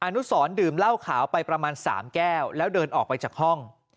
นุสรดื่มเหล้าขาวไปประมาณ๓แก้วแล้วเดินออกไปจากห้อง